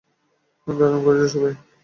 দারুণ করেছ, সবাই।